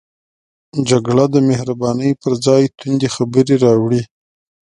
جګړه د مهربانۍ پر ځای توندې خبرې راوړي